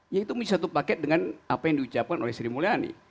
ya itu misalnya dipakai dengan apa yang diucapkan oleh sri mulyani